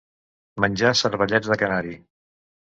Menjar cervellets de canari.